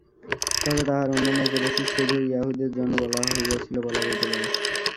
তবে তাঁহার অন্যান্য উপদেশও শুধু য়াহুদীদের জন্য বলা হইয়াছিল, বলা যাইতে পারে।